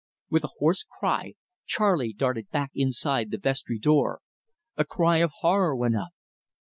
With a hoarse cry, Charley darted back inside the vestry door. A cry of horror went up.